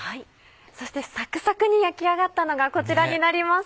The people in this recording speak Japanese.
そしてサクサクに焼き上がったのがこちらになります。